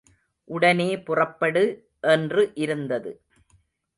உடனே புறப்படு என்று இருந்தது.